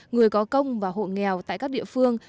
người có công và hộ nghèo tại các địa phương